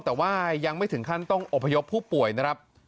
แต่ว่ายังไม่ถึงขั้นต้องอบพยพผู้ป่วยนะครับ